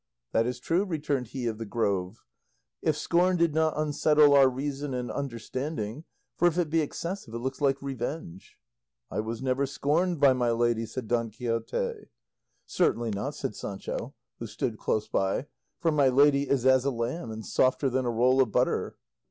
"That is true," returned he of the Grove, "if scorn did not unsettle our reason and understanding, for if it be excessive it looks like revenge." "I was never scorned by my lady," said Don Quixote. "Certainly not," said Sancho, who stood close by, "for my lady is as a lamb, and softer than a roll of butter."